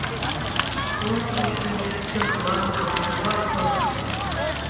И плакал ты, все плакал, плакал.